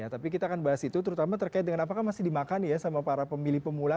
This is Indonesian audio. tapi kita akan bahas itu terutama terkait dengan apakah masih dimakan ya sama para pemilih pemula